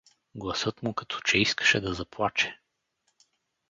Гласът му като че искаше да заплаче.